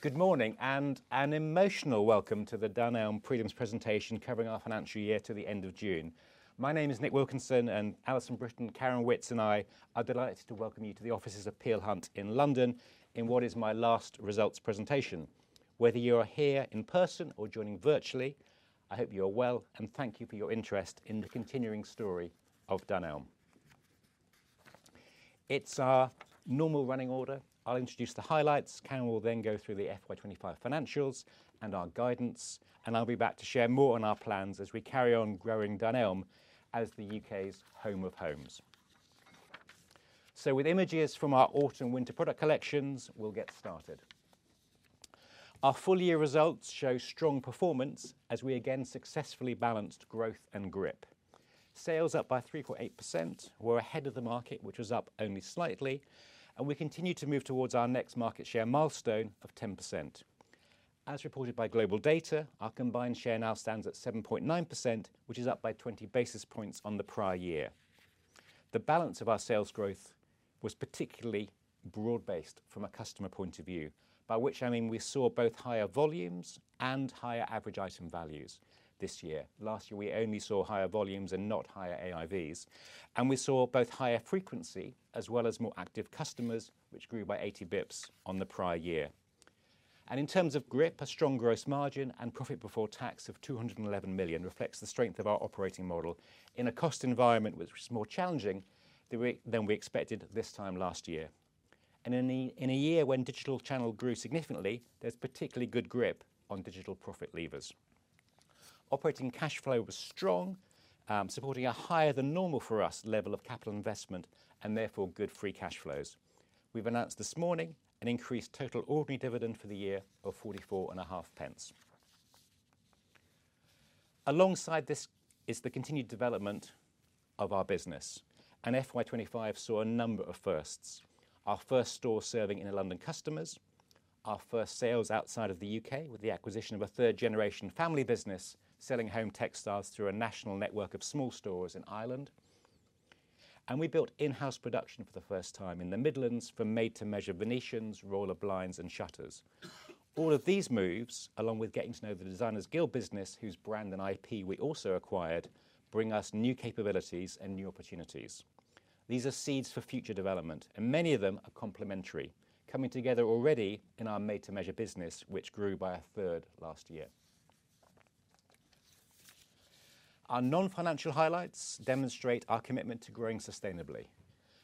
Good morning and an emotional welcome to the Dunelm prelims presentation covering our financial year to the end of June. My name is Nick Wilkinson, and Alison Brittain, Karen Witts, and I are delighted to welcome you to the offices of Peel Hunt in London in what is my last results presentation. Whether you are here in person or joining virtually, I hope you are well, and thank you for your interest in the continuing story of Dunelm. It's our normal running order. I'll introduce the highlights, Karen will then go through the FY25 financials and our guidance, and I'll be back to share more on our plans as we carry on growing Dunelm as the U.K.'s home of homes. So, with images from our autumn–winter product collections, we'll get started. Our full year results show strong performance as we again successfully balanced growth and grip. Sales up by 3.8%. We're ahead of the market, which was up only slightly, and we continue to move towards our next market share milestone of 10%. As reported by GlobalData, our combined share now stands at 7.9%, which is up by 20 basis points on the prior year. The balance of our sales growth was particularly broad-based from a customer point of view, by which I mean we saw both higher volumes and higher average item values this year. Last year, we only saw higher volumes and not higher AIVs, and we saw both higher frequency as well as more active customers, which grew by 80 basis points on the prior year. In terms of grip, a strong gross margin and profit before tax of 211 million reflects the strength of our operating model in a cost environment which is more challenging than we expected this time last year. In a year when digital channel grew significantly, there's particularly good grip on digital profit levers. Operating cash flow was strong, supporting a higher-than-normal-for-us level of capital investment and therefore good free cash flows. We've announced this morning an increased total ordinary dividend for the year of 0.44. Alongside this is the continued development of our business, and FY25 saw a number of firsts. Our first store serving inner London customers, our first sales outside of the UK with the acquisition of a third-generation family business selling home textiles through a national network of small stores in Ireland, and we built in-house production for the first time in the Midlands for made-to-measure Venetians, roller blinds, and shutters. All of these moves, along with getting to know the Designers Guild business, whose brand and IP we also acquired, bring us new capabilities and new opportunities. These are seeds for future development, and many of them are complementary, coming together already in our made-to-measure business, which grew by a third last year. Our non-financial highlights demonstrate our commitment to growing sustainably.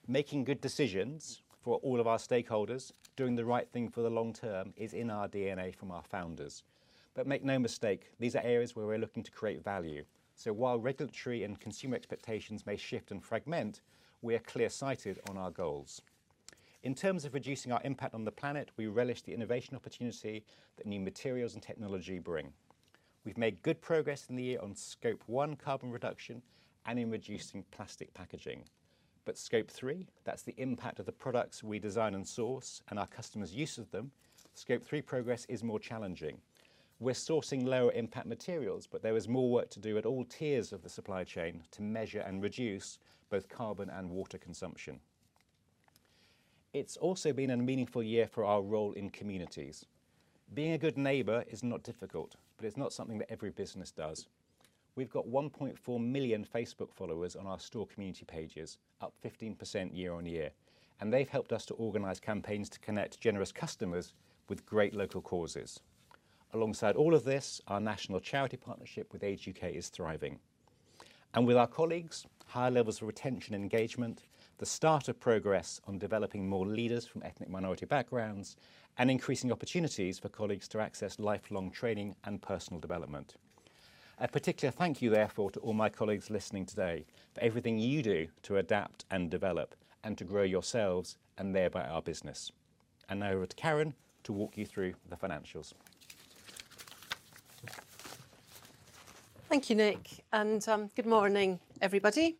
Making good decisions for all of our stakeholders, doing the right thing for the long term is in our DNA from our founders. But make no mistake, these are areas where we're looking to create value. So, while regulatory and consumer expectations may shift and fragment, we are clear-sighted on our goals. In terms of reducing our impact on the planet, we relish the innovation opportunity that new materials and technology bring. We've made good progress in the year on Scope 1 carbon reduction and in reducing plastic packaging. But Scope 3, that's the impact of the products we design and source and our customers' use of them, Scope 3 progress is more challenging. We're sourcing lower-impact materials, but there is more work to do at all tiers of the supply chain to measure and reduce both carbon and water consumption. It's also been a meaningful year for our role in communities. Being a good neighbor is not difficult, but it's not something that every business does. We've got 1.4 million Facebook followers on our store community pages, up 15% year-on-year, and they've helped us to organise campaigns to connect generous customers with great local causes. Alongside all of this, our national charity partnership with Age UK is thriving, and with our colleagues, higher levels of retention and engagement, the start of progress on developing more leaders from ethnic minority backgrounds, and increasing opportunities for colleagues to access lifelong training and personal development. A particular thank you, therefore, to all my colleagues listening today for everything you do to adapt and develop and to grow yourselves and thereby our business, and now over to Karen to walk you through the financials. Thank you, Nick, and good morning, everybody.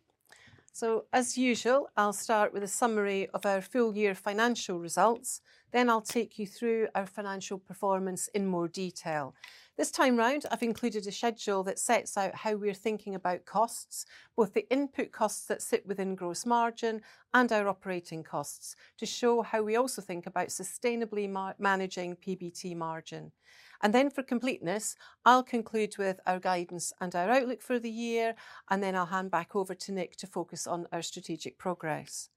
So, as usual, I'll start with a summary of our full year financial results, then I'll take you through our financial performance in more detail. This time round, I've included a schedule that sets out how we're thinking about costs, both the input costs that sit within gross margin and our operating costs, to show how we also think about sustainably managing PBT margin. And then, for completeness, I'll conclude with our guidance and our outlook for the year, and then I'll hand back over to Nick to focus on our strategic progress.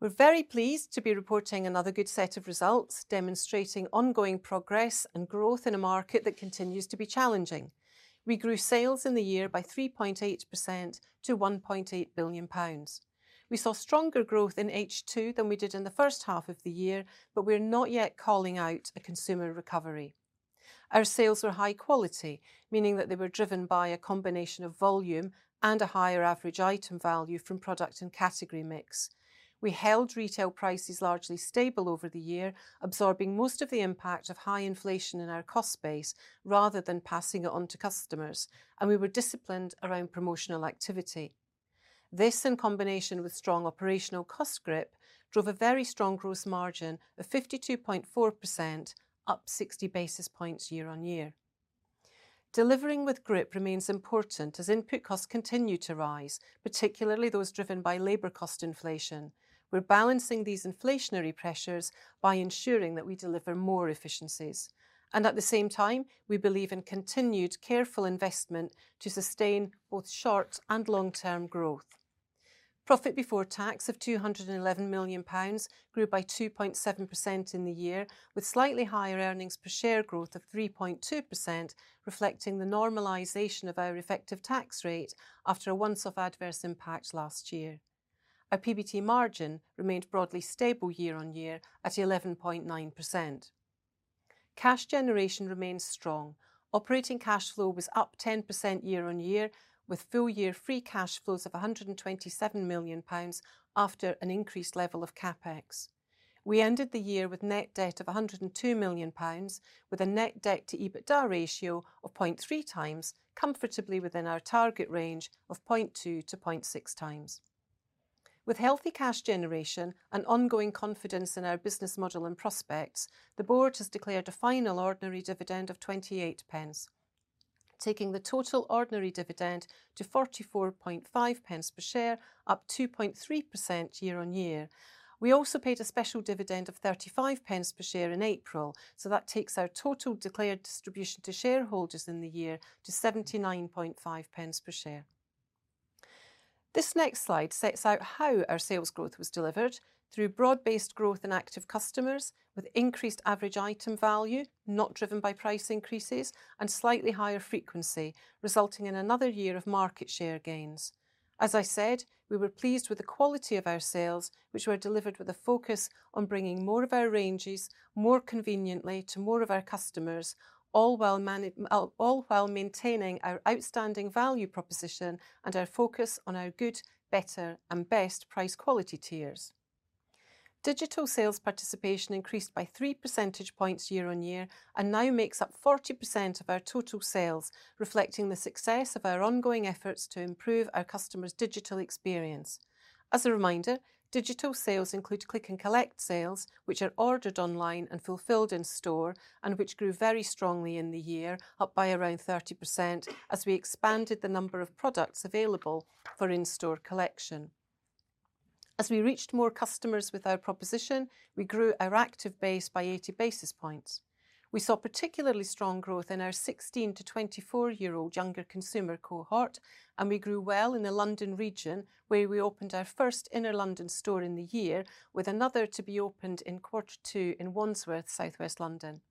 We're very pleased to be reporting another good set of results demonstrating ongoing progress and growth in a market that continues to be challenging. We grew sales in the year by 3.8% to 1.8 billion pounds. We saw stronger growth in H2 than we did in the first half of the year, but we're not yet calling out a consumer recovery. Our sales were high quality, meaning that they were driven by a combination of volume and a higher average item value from product and category mix. We held retail prices largely stable over the year, absorbing most of the impact of high inflation in our cost base rather than passing it on to customers, and we were disciplined around promotional activity. This, in combination with strong operational cost grip, drove a very strong gross margin of 52.4%, up 60 basis points year-on-year. Delivering with grip remains important as input costs continue to rise, particularly those driven by labor cost inflation. We're balancing these inflationary pressures by ensuring that we deliver more efficiencies. And at the same time, we believe in continued careful investment to sustain both short and long-term growth. Profit before tax of 211 million pounds grew by 2.7% in the year, with slightly higher earnings per share growth of 3.2%, reflecting the normalization of our effective tax rate after a once-off adverse impact last year. Our PBT margin remained broadly stable year-on-year at 11.9%. Cash generation remains strong. Operating cash flow was up 10% year-on-year, with full year free cash flows of 127 million pounds after an increased level of CapEx. We ended the year with net debt of 102 million pounds, with a net debt to EBITDA ratio of 0.3x, comfortably within our target range of 0.2-0.6x. With healthy cash generation and ongoing confidence in our business model and prospects, the board has declared a final ordinary dividend of 0.28, taking the total ordinary dividend to 44.50 per share, up 2.3% year-on-year. We also paid a special dividend of 0.35 per share in April, so that takes our total declared distribution to shareholders in the year to 79.50 per share. This next slide sets out how our sales growth was delivered through broad-based growth in active customers, with increased average item value, not driven by price increases, and slightly higher frequency, resulting in another year of market share gains. As I said, we were pleased with the quality of our sales, which were delivered with a focus on bringing more of our ranges more conveniently to more of our customers, all while maintaining our outstanding value proposition and our focus on our Good, Better, and Best price quality tiers. Digital sales participation increased by 3 percentage points year-on-year and now makes up 40% of our total sales, reflecting the success of our ongoing efforts to improve our customers' digital experience. As a reminder, digital sales include click-and-collect sales, which are ordered online and fulfilled in store, and which grew very strongly in the year, up by around 30% as we expanded the number of products available for in-store collection. As we reached more customers with our proposition, we grew our active base by 80 basis points. We saw particularly strong growth in our 16 to 24-year-old younger consumer cohort, and we grew well in the London region, where we opened our first inner London store in the year, with another to be opened in quarter two in Wandsworth, southwest London.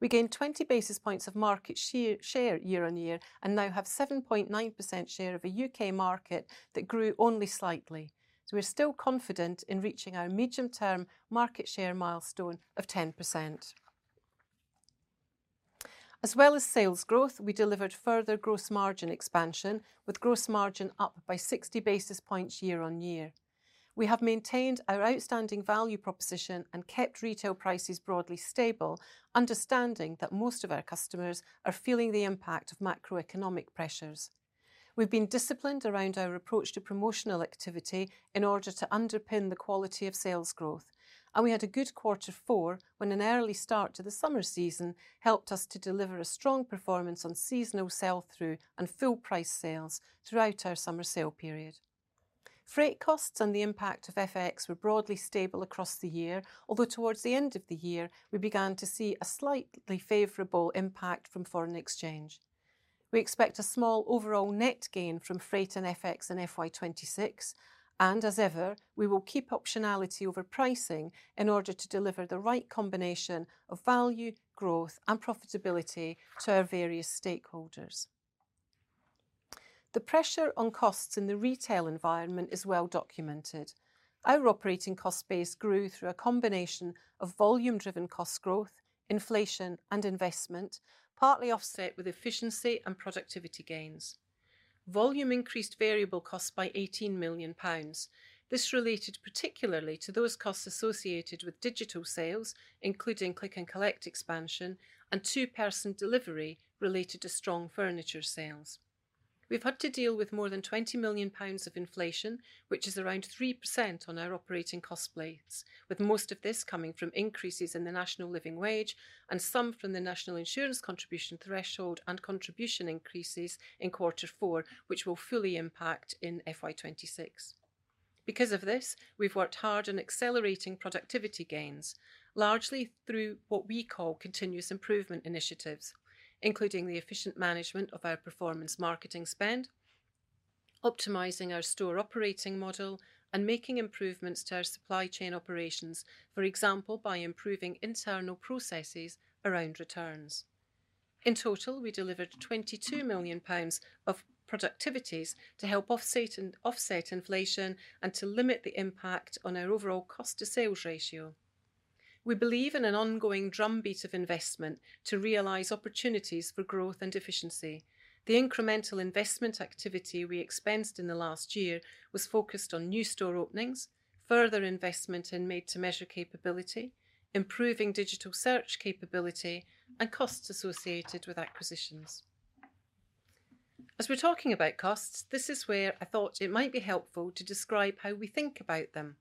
We gained 20 basis points of market share year-on-year and now have 7.9% share of a UK market that grew only slightly. We're still confident in reaching our medium-term market share milestone of 10%. As well as sales growth, we delivered further gross margin expansion, with gross margin up by 60 basis points year-on-year. We have maintained our outstanding value proposition and kept retail prices broadly stable, understanding that most of our customers are feeling the impact of macroeconomic pressures. We've been disciplined around our approach to promotional activity in order to underpin the quality of sales growth, and we had a good quarter four when an early start to the summer season helped us to deliver a strong performance on seasonal sell-through and full price sales throughout our summer sale period. Freight costs and the impact of FX were broadly stable across the year, although towards the end of the year, we began to see a slightly favorable impact from foreign exchange. We expect a small overall net gain from freight and FX in FY26, and as ever, we will keep optionality over pricing in order to deliver the right combination of value, growth, and profitability to our various stakeholders. The pressure on costs in the retail environment is well documented. Our operating cost base grew through a combination of volume-driven cost growth, inflation, and investment, partly offset with efficiency and productivity gains. Volume increased variable costs by £18 million. This related particularly to those costs associated with digital sales, including click-and-collect expansion and two-person delivery related to strong furniture sales. We've had to deal with more than £20 million of inflation, which is around 3% on our operating cost base, with most of this coming from increases in the National Living Wage and some from the National Insurance contribution threshold and contribution increases in quarter four, which will fully impact in FY26. Because of this, we've worked hard on accelerating productivity gains, largely through what we call continuous improvement initiatives, including the efficient management of our performance marketing spend, optimizing our store operating model, and making improvements to our supply chain operations, for example, by improving internal processes around returns. In total, we delivered 22 million pounds of productivities to help offset inflation and to limit the impact on our overall cost-to-sales ratio. We believe in an ongoing drumbeat of investment to realize opportunities for growth and efficiency. The incremental investment activity we expensed in the last year was focused on new store openings, further investment in made-to-measure capability, improving digital search capability, and costs associated with acquisitions. As we're talking about costs, this is where I thought it might be helpful to describe how we think about them,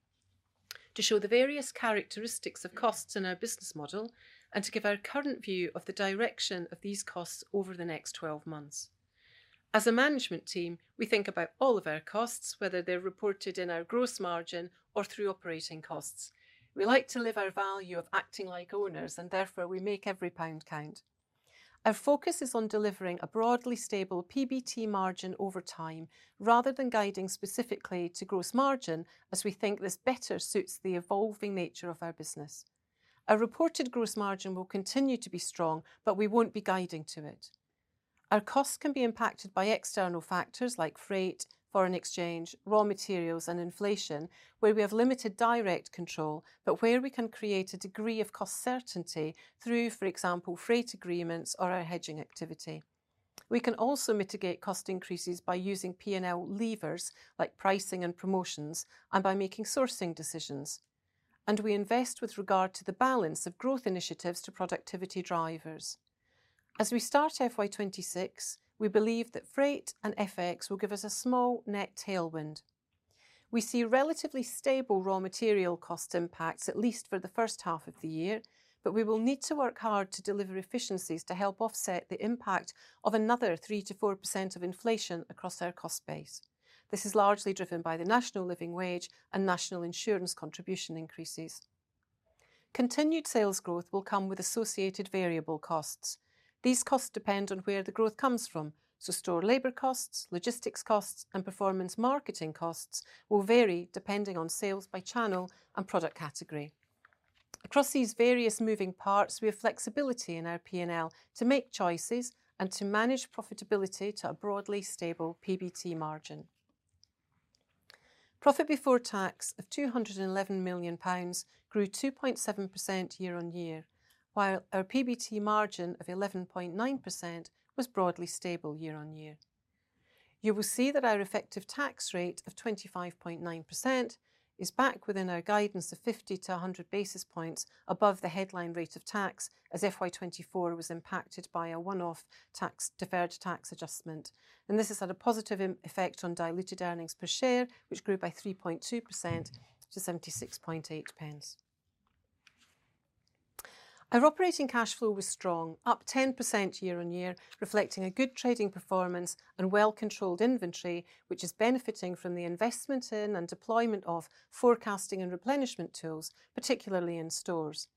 to show the various characteristics of costs in our business model, and to give our current view of the direction of these costs over the next 12 months. As a management team, we think about all of our costs, whether they're reported in our gross margin or through operating costs. We like to live our value of acting like owners, and therefore we make every pound count. Our focus is on delivering a broadly stable PBT margin over time, rather than guiding specifically to gross margin, as we think this better suits the evolving nature of our business. Our reported gross margin will continue to be strong, but we won't be guiding to it. Our costs can be impacted by external factors like freight, foreign exchange, raw materials, and inflation, where we have limited direct control, but where we can create a degree of cost certainty through, for example, freight agreements or our hedging activity. We can also mitigate cost increases by using P&L levers like pricing and promotions and by making sourcing decisions, and we invest with regard to the balance of growth initiatives to productivity drivers. As we start FY26, we believe that freight and FX will give us a small net tailwind. We see relatively stable raw material cost impacts, at least for the first half of the year, but we will need to work hard to deliver efficiencies to help offset the impact of another 3%-4% of inflation across our cost base. This is largely driven by the National Living Wage and National Insurance contribution increases. Continued sales growth will come with associated variable costs. These costs depend on where the growth comes from, so store labor costs, logistics costs, and performance marketing costs will vary depending on sales by channel and product category. Across these various moving parts, we have flexibility in our P&L to make choices and to manage profitability to a broadly stable PBT margin. Profit before tax of £211 million grew 2.7% year-on-year, while our PBT margin of 11.9% was broadly stable year-on-year. You will see that our effective tax rate of 25.9% is back within our guidance of 50-100 basis points above the headline rate of tax as FY24 was impacted by a one-off deferred tax adjustment, and this has had a positive effect on diluted earnings per share, which grew by 3.2% to £76.8. Our operating cash flow was strong, up 10% year-on-year, reflecting a good trading performance and well-controlled inventory, which is benefiting from the investment in and deployment of forecasting and replenishment tools, particularly in stores.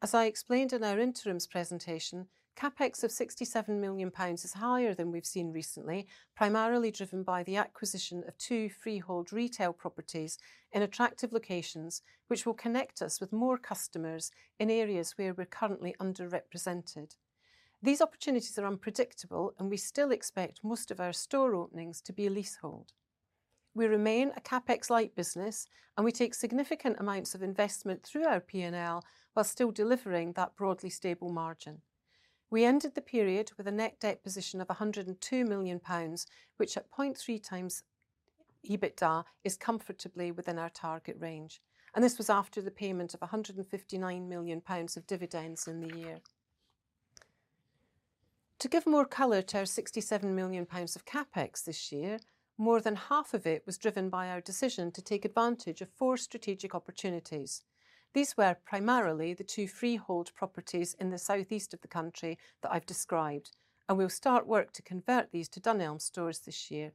As I explained in our interim's presentation, CapEx of £67 million is higher than we've seen recently, primarily driven by the acquisition of two freehold retail properties in attractive locations, which will connect us with more customers in areas where we're currently underrepresented. These opportunities are unpredictable, and we still expect most of our store openings to be leasehold. We remain a CapEx-light business, and we take significant amounts of investment through our P&L while still delivering that broadly stable margin. We ended the period with a net debt position of £102 million, which at 0.3x EBITDA is comfortably within our target range, and this was after the payment of £159 million of dividends in the year. To give more color to our £67 million of CapEx this year, more than half of it was driven by our decision to take advantage of four strategic opportunities. These were primarily the two freehold properties in the Southeast of the country that I've described, and we'll start work to convert these to Dunelm stores this year.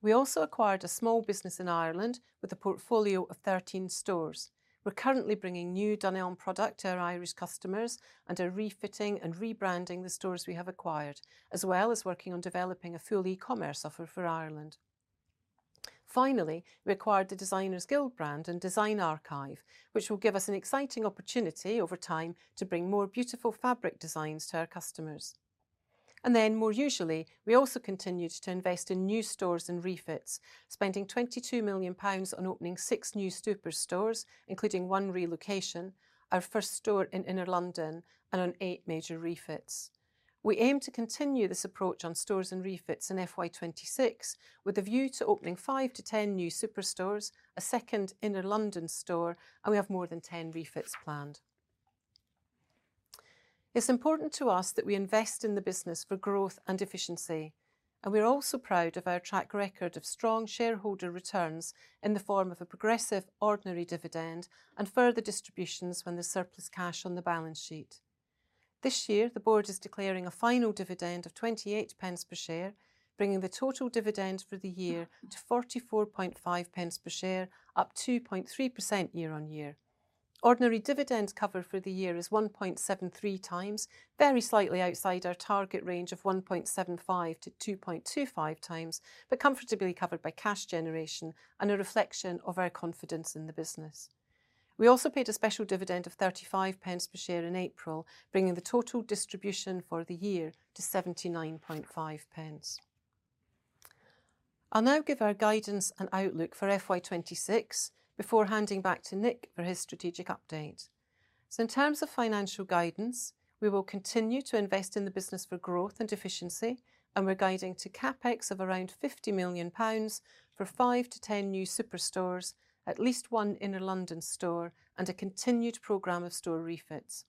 We also acquired a small business in Ireland with a portfolio of 13 stores. We're currently bringing new Dunelm product to our Irish customers and are refitting and rebranding the stores we have acquired, as well as working on developing a full e-commerce offer for Ireland. Finally, we acquired the Designers Guild brand and design archive, which will give us an exciting opportunity over time to bring more beautiful fabric designs to our customers. And then, more usually, we also continued to invest in new stores and refits, spending 22 million pounds on opening six new superstores, including one relocation, our first store in inner London, and on eight major refits. We aim to continue this approach on stores and refits in FY26, with a view to opening five to ten new superstores, a second inner London store, and we have more than ten refits planned. It's important to us that we invest in the business for growth and efficiency, and we're also proud of our track record of strong shareholder returns in the form of a progressive ordinary dividend and further distributions when there's surplus cash on the balance sheet. This year, the board is declaring a final dividend of £28 per share, bringing the total dividend for the year to £44.5 per share, up 2.3% year-on-year. Ordinary dividend cover for the year is 1.73x, very slightly outside our target range of 1.75-2.25x, but comfortably covered by cash generation and a reflection of our confidence in the business. We also paid a special dividend of £35 per share in April, bringing the total distribution for the year to £79.5. I'll now give our guidance and outlook for FY26 before handing back to Nick for his strategic update. So, in terms of financial guidance, we will continue to invest in the business for growth and efficiency, and we're guiding to CapEx of around £50 million for five to ten new superstores, at least one inner London store, and a continued program of store refits.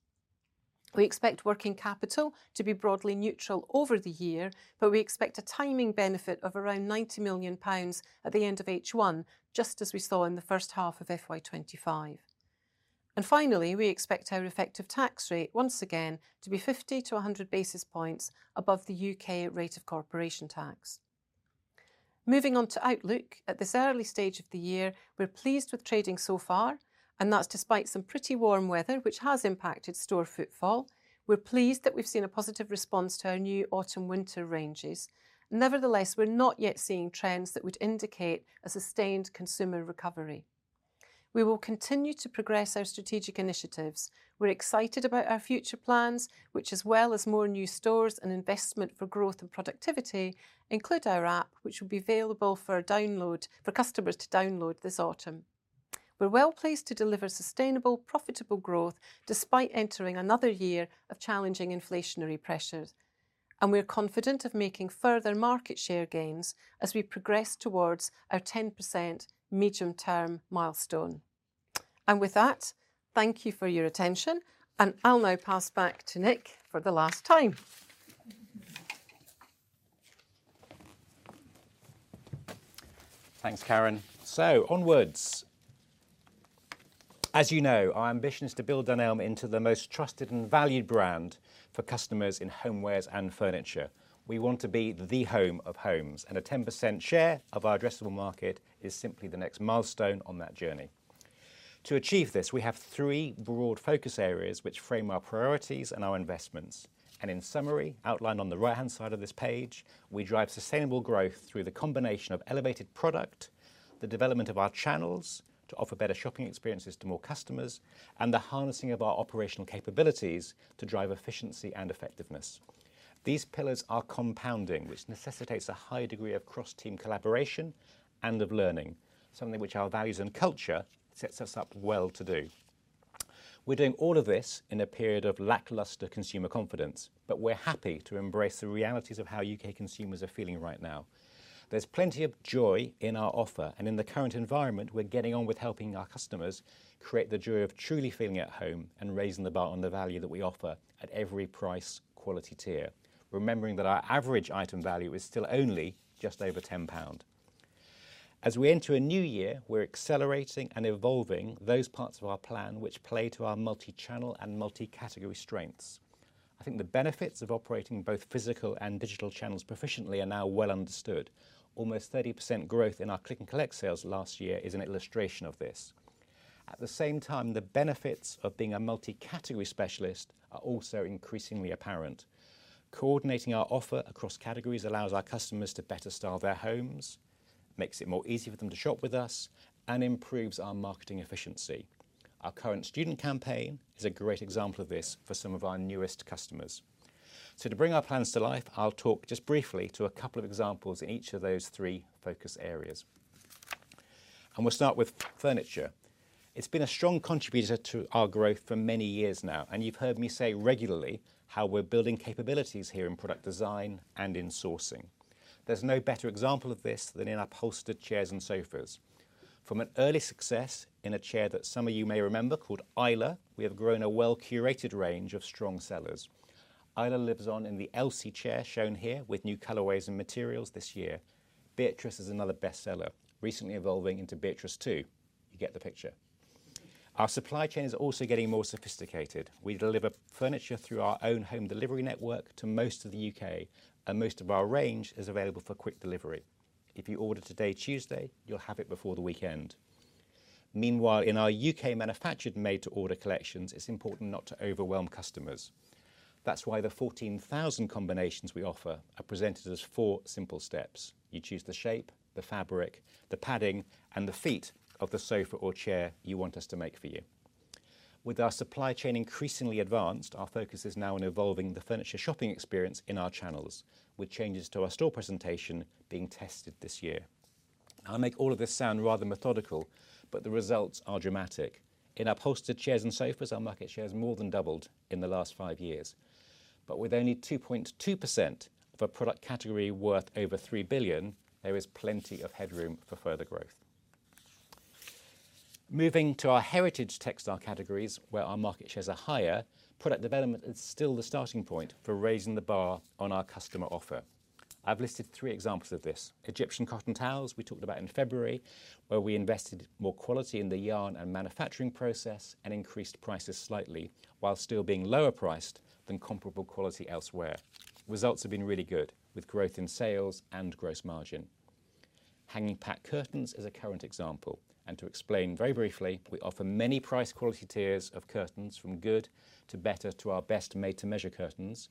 We expect working capital to be broadly neutral over the year, but we expect a timing benefit of around £90 million at the end of H1, just as we saw in the first half of FY25. And finally, we expect our effective tax rate once again to be 50-100 basis points above the UK rate of corporation tax. Moving on to outlook at this early stage of the year, we're pleased with trading so far, and that's despite some pretty warm weather, which has impacted store footfall. We're pleased that we've seen a positive response to our new autumn-winter ranges. Nevertheless, we're not yet seeing trends that would indicate a sustained consumer recovery. We will continue to progress our strategic initiatives. We're excited about our future plans, which, as well as more new stores and investment for growth and productivity, include our app, which will be available for customers to download this autumn. We're well pleased to deliver sustainable, profitable growth despite entering another year of challenging inflationary pressures, and we're confident of making further market share gains as we progress towards our 10% medium-term milestone, and with that, thank you for your attention, and I'll now pass back to Nick for the last time. Thanks, Karen. Onwards. As you know, our ambition is to build Dunelm into the most trusted and valued brand for customers in homewares and furniture. We want to be the home of homes, and a 10% share of our addressable market is simply the next milestone on that journey. To achieve this, we have three broad focus areas which frame our priorities and our investments. In summary, outlined on the right-hand side of this page, we drive sustainable growth through the combination of elevated product, the development of our channels to offer better shopping experiences to more customers, and the harnessing of our operational capabilities to drive efficiency and effectiveness. These pillars are compounding, which necessitates a high degree of cross-team collaboration and of learning, something which our values and culture sets us up well to do. We're doing all of this in a period of lackluster consumer confidence, but we're happy to embrace the realities of how U.K. consumers are feeling right now. There's plenty of joy in our offer, and in the current environment, we're getting on with helping our customers create the joy of truly feeling at home and raising the bar on the value that we offer at every price quality tier, remembering that our average item value is still only just over 10 pound. As we enter a new year, we're accelerating and evolving those parts of our plan which play to our multi-channel and multi-category strengths. I think the benefits of operating both physical and digital channels proficiently are now well understood. Almost 30% growth in our click-and-collect sales last year is an illustration of this. At the same time, the benefits of being a multi-category specialist are also increasingly apparent. Coordinating our offer across categories allows our customers to better style their homes, makes it more easy for them to shop with us, and improves our marketing efficiency. Our current student campaign is a great example of this for some of our newest customers, so to bring our plans to life, I'll talk just briefly to a couple of examples in each of those three focus areas, and we'll start with furniture. It's been a strong contributor to our growth for many years now, and you've heard me say regularly how we're building capabilities here in product design and in sourcing. There's no better example of this than in upholstered chairs and sofas. From an early success in a chair that some of you may remember called Isla, we have grown a well-curated range of strong sellers. Isla lives on in the Elsie chair shown here with new colorways and materials this year. Beatrice is another bestseller, recently evolving into Beatrice 2. You get the picture. Our supply chain is also getting more sophisticated. We deliver furniture through our own home delivery network to most of the UK, and most of our range is available for quick delivery. If you order today, Tuesday, you'll have it before the weekend. Meanwhile, in our UK-manufactured made-to-order collections, it's important not to overwhelm customers. That's why the 14,000 combinations we offer are presented as four simple steps. You choose the shape, the fabric, the padding, and the feet of the sofa or chair you want us to make for you. With our supply chain increasingly advanced, our focus is now on evolving the furniture shopping experience in our channels, with changes to our store presentation being tested this year. I'll make all of this sound rather methodical, but the results are dramatic. In upholstered chairs and sofas, our market share has more than doubled in the last five years. But with only 2.2% of a product category worth over 3 billion, there is plenty of headroom for further growth. Moving to our heritage textile categories, where our market shares are higher, product development is still the starting point for raising the bar on our customer offer. I've listed three examples of this. Egyptian cotton towels, we talked about in February, where we invested more quality in the yarn and manufacturing process and increased prices slightly while still being lower priced than comparable quality elsewhere. Results have been really good, with growth in sales and gross margin. Hanging pack curtains is a current example, and to explain very briefly, we offer many price quality tiers of curtains, from good to better to our best made-to-measure curtains.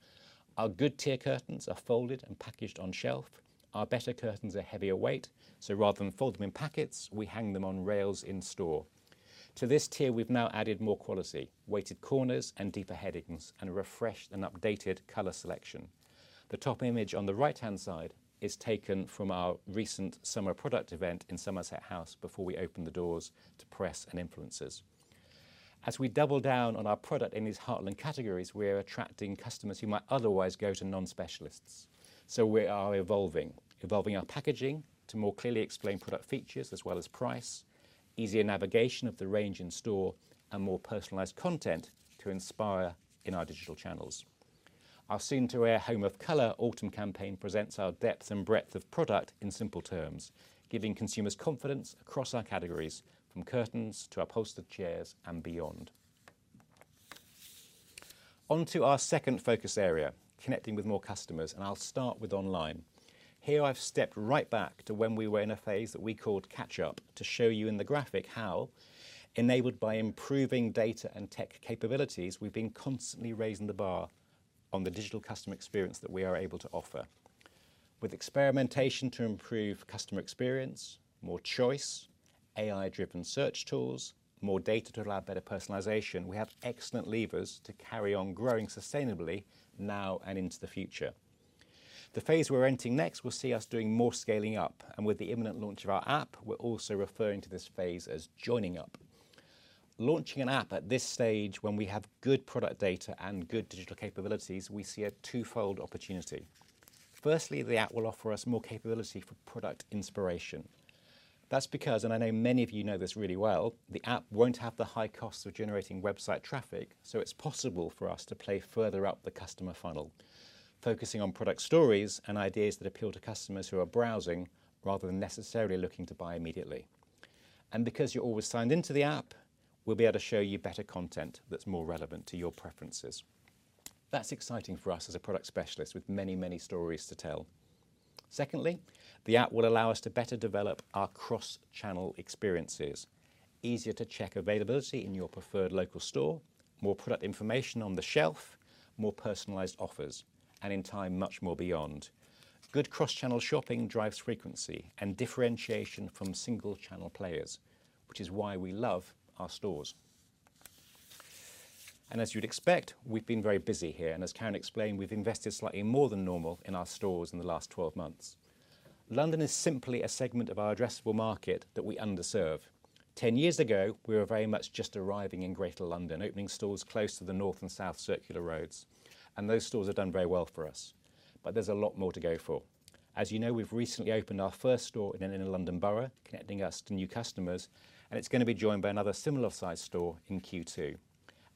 Our good tier curtains are folded and packaged on shelf. Our better curtains are heavier weight, so rather than fold them in packets, we hang them on rails in store. To this tier, we've now added more quality, weighted corners and deeper headings, and a refreshed and updated color selection. The top image on the right-hand side is taken from our recent summer product event in Somerset House before we opened the doors to press and influencers. As we double down on our product in these heartland categories, we are attracting customers who might otherwise go to non-specialists. We are evolving, evolving our packaging to more clearly explain product features as well as price, easier navigation of the range in store, and more personalized content to inspire in our digital channels. Our soon-to-air Home of Color autumn campaign presents our depth and breadth of product in simple terms, giving consumers confidence across our categories, from curtains to upholstered chairs and beyond. Onto our second focus area, connecting with more customers, and I'll start with online. Here I've stepped right back to when we were in a phase that we called catch-up to show you in the graphic how, enabled by improving data and tech capabilities, we've been constantly raising the bar on the digital customer experience that we are able to offer. With experimentation to improve customer experience, more choice, AI-driven search tools, more data to allow better personalization, we have excellent levers to carry on growing sustainably now and into the future. The phase we're entering next will see us doing more scaling up, and with the imminent launch of our app, we're also referring to this phase as joining up. Launching an app at this stage, when we have good product data and good digital capabilities, we see a twofold opportunity. Firstly, the app will offer us more capability for product inspiration. That's because, and I know many of you know this really well, the app won't have the high costs of generating website traffic, so it's possible for us to play further up the customer funnel, focusing on product stories and ideas that appeal to customers who are browsing rather than necessarily looking to buy immediately. Because you're always signed into the app, we'll be able to show you better content that's more relevant to your preferences. That's exciting for us as a product specialist with many, many stories to tell. Secondly, the app will allow us to better develop our cross-channel experiences, easier to check availability in your preferred local store, more product information on the shelf, more personalized offers, and in time, much more beyond. Good cross-channel shopping drives frequency and differentiation from single-channel players, which is why we love our stores. And as you'd expect, we've been very busy here, and as Karen explained, we've invested slightly more than normal in our stores in the last 12 months. London is simply a segment of our addressable market that we underserve. Ten years ago, we were very much just arriving in Greater London, opening stores close to the North and South Circular roads, and those stores have done very well for us. But there's a lot more to go for. As you know, we've recently opened our first store in an inner London borough, connecting us to new customers, and it's going to be joined by another similar-sized store in Q2.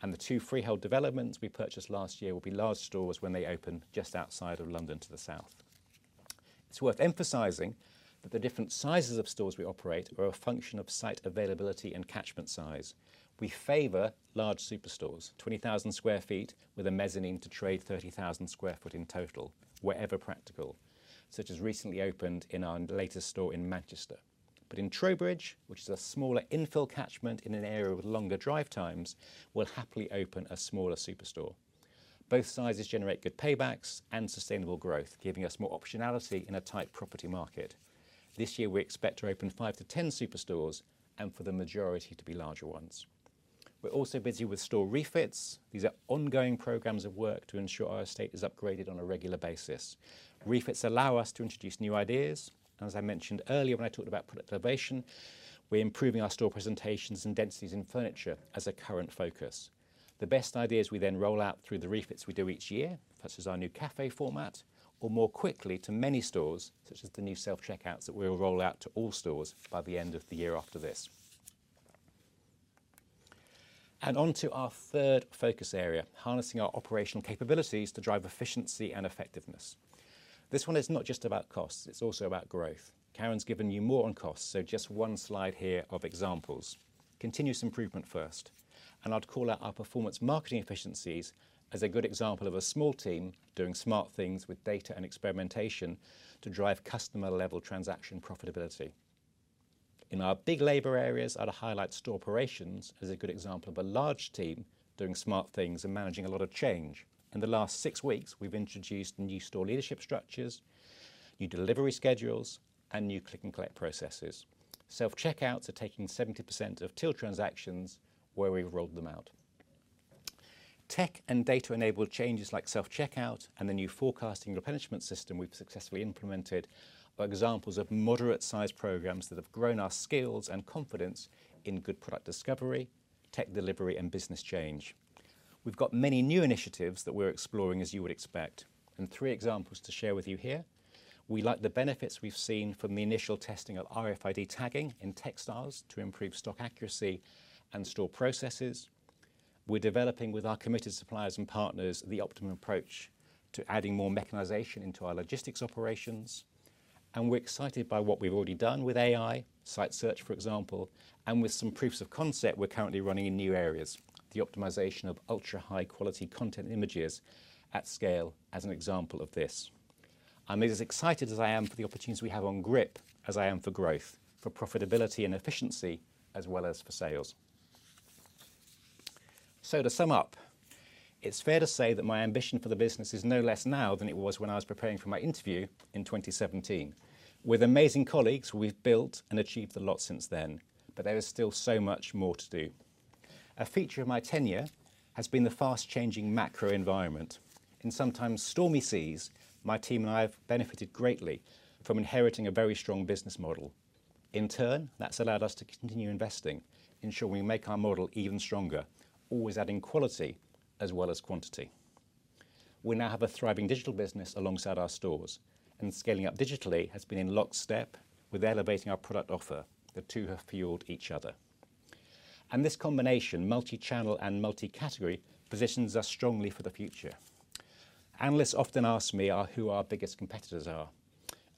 And the two freehold developments we purchased last year will be large stores when they open just outside of London to the south. It's worth emphasizing that the different sizes of stores we operate are a function of site availability and catchment size. We favor large superstores, 20,000 sq ft, with a mezzanine to trade 30,000 sq ft in total, wherever practical, such as recently opened in our latest store in Manchester. But in Trowbridge, which is a smaller infill catchment in an area with longer drive times, we'll happily open a smaller superstore. Both sizes generate good paybacks and sustainable growth, giving us more optionality in a tight property market. This year, we expect to open five to 10 superstores and for the majority to be larger ones. We're also busy with store refits. These are ongoing programs of work to ensure our estate is upgraded on a regular basis. Refits allow us to introduce new ideas, and as I mentioned earlier when I talked about product elevation, we're improving our store presentations and densities in furniture as a current focus. The best ideas we then roll out through the refits we do each year, such as our new café format, or more quickly to many stores, such as the new self-checkouts that we will roll out to all stores by the end of the year after this. And onto our third focus area, harnessing our operational capabilities to drive efficiency and effectiveness. This one is not just about costs, it's also about growth. Karen's given you more on costs, so just one slide here of examples. Continuous improvement first, and I'd call out our performance marketing efficiencies as a good example of a small team doing smart things with data and experimentation to drive customer-level transaction profitability. In our big labour areas, I'd highlight store operations as a good example of a large team doing smart things and managing a lot of change. In the last six weeks, we've introduced new store leadership structures, new delivery schedules, and new click-and-collect processes. Self-checkouts are taking 70% of till transactions where we've rolled them out. Tech and data-enabled changes like self-checkout and the new forecasting replenishment system we've successfully implemented are examples of moderate-sized programs that have grown our skills and confidence in good product discovery, tech delivery, and business change. We've got many new initiatives that we're exploring, as you would expect, and three examples to share with you here. We like the benefits we've seen from the initial testing of RFID tagging in textiles to improve stock accuracy and store processes. We're developing with our committed suppliers and partners the optimum approach to adding more mechanization into our logistics operations, and we're excited by what we've already done with AI, site search, for example, and with some proofs of concept we're currently running in new areas, the optimization of ultra-high-quality content images at scale as an example of this. I'm as excited as I am for the opportunities we have on grip, as I am for growth, for profitability and efficiency, as well as for sales. So, to sum up, it's fair to say that my ambition for the business is no less now than it was when I was preparing for my interview in 2017. With amazing colleagues, we've built and achieved a lot since then, but there is still so much more to do. A feature of my tenure has been the fast-changing macro environment. In sometimes stormy seas, my team and I have benefited greatly from inheriting a very strong business model. In turn, that's allowed us to continue investing, ensuring we make our model even stronger, always adding quality as well as quantity. We now have a thriving digital business alongside our stores, and scaling up digitally has been in lockstep with elevating our product offer. The two have fueled each other, and this combination, multi-channel and multi-category, positions us strongly for the future. Analysts often ask me who our biggest competitors are,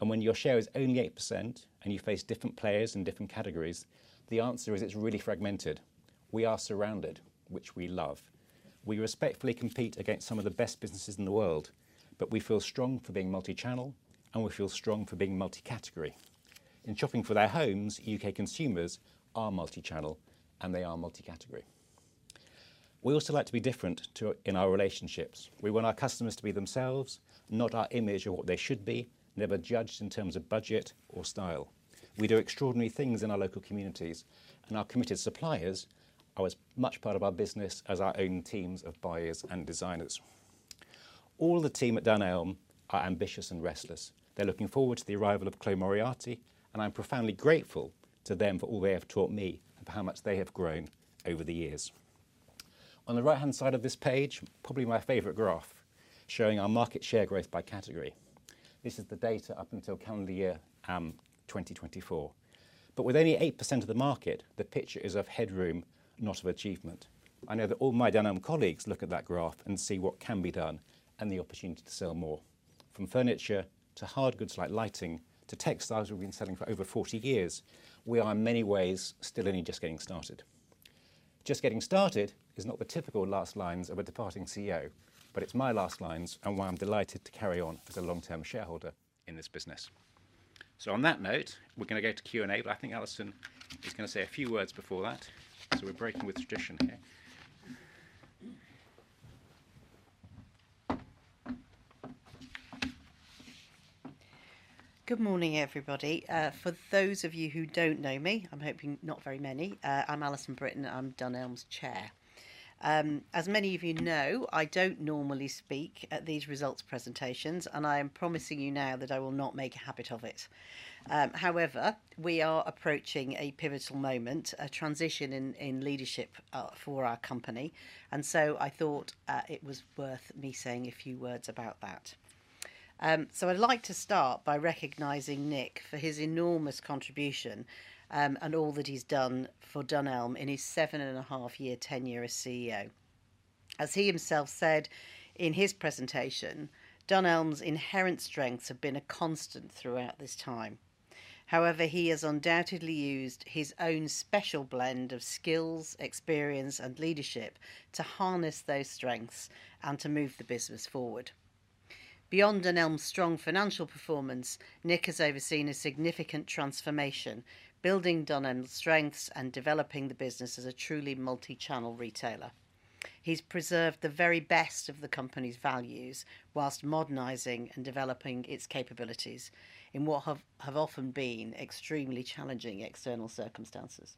and when your share is only 8% and you face different players in different categories, the answer is it's really fragmented. We are surrounded, which we love. We respectfully compete against some of the best businesses in the world, but we feel strong for being multi-channel, and we feel strong for being multi-category. In shopping for their homes, UK consumers are multi-channel, and they are multi-category. We also like to be different in our relationships. We want our customers to be themselves, not our image or what they should be, never judged in terms of budget or style. We do extraordinary things in our local communities, and our committed suppliers are as much part of our business as our own teams of buyers and designers. All the team at Dunelm are ambitious and restless. They're looking forward to the arrival of Cloë de Moriarty, and I'm profoundly grateful to them for all they have taught me and for how much they have grown over the years. On the right-hand side of this page, probably my favorite graph, showing our market share growth by category. This is the data up until calendar year 2024. But with only 8% of the market, the picture is of headroom, not of achievement. I know that all my Dunelm colleagues look at that graph and see what can be done and the opportunity to sell more. From furniture to hard goods like lighting to textiles we've been selling for over 40 years, we are in many ways still only just getting started. Just getting started is not the typical last lines of a departing CEO, but it's my last lines and why I'm delighted to carry on as a long-term shareholder in this business. So, on that note, we're going to go to Q&A, but I think Alison is going to say a few words before that, so we're breaking with tradition here. Good morning, everybody. For those of you who don't know me, I'm hoping not very many. I'm Alison Brittain, and I'm Dunelm chair. As many of you know, I don't normally speak at these results presentations, and I am promising you now that I will not make a habit of it. However, we are approaching a pivotal moment, a transition in leadership for our company, and so I thought it was worth me saying a few words about that. So, I'd like to start by recognizing Nick for his enormous contribution and all that he's done for Dunelm in his seven-and-a-half-year tenure as CEO. As he himself said in his presentation, Dunelm's inherent strengths have been a constant throughout this time. However, he has undoubtedly used his own special blend of skills, experience, and leadership to harness those strengths and to move the business forward. Beyond Dunelm's strong financial performance, Nick has overseen a significant transformation, building Dunelm's strengths and developing the business as a truly multi-channel retailer. He's preserved the very best of the company's values whilst modernising and developing its capabilities in what have often been extremely challenging external circumstances.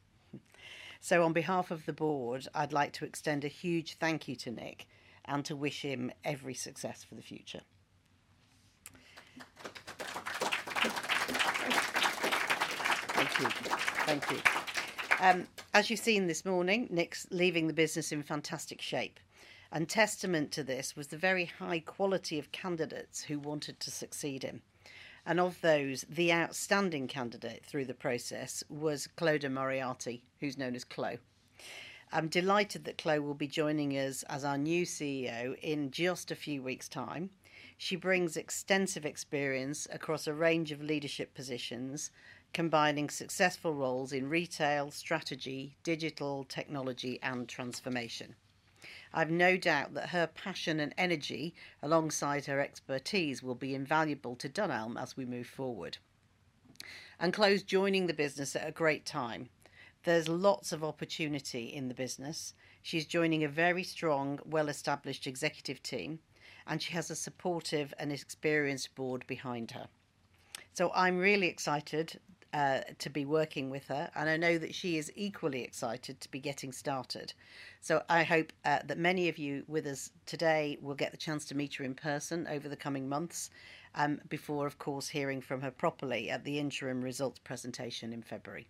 So, on behalf of the board, I'd like to extend a huge thank you to Nick and to wish him every success for the future. Thank you. Thank you. As you've seen this morning, Nick's leaving the business in fantastic shape, and testament to this was the very high quality of candidates who wanted to succeed him. And of those, the outstanding candidate through the process was Clodagh Moriarty, who's known as Clo. I'm delighted that Clo will be joining us as our new CEO in just a few weeks' time. She brings extensive experience across a range of leadership positions, combining successful roles in retail, strategy, digital technology, and transformation. I've no doubt that her passion and energy alongside her expertise will be invaluable to Dunelm as we move forward, and Clo's joining the business at a great time. There's lots of opportunity in the business. She's joining a very strong, well-established executive team, and she has a supportive and experienced board behind her, so I'm really excited to be working with her, and I know that she is equally excited to be getting started, so I hope that many of you with us today will get the chance to meet her in person over the coming months before, of course, hearing from her properly at the interim results presentation in February.